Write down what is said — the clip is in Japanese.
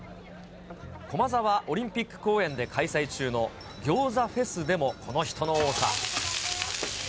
駒沢オリンピック公園で開催中の餃子フェスでも、この人の多さ。